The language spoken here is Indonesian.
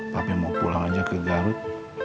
tapi mau pulang aja ke garut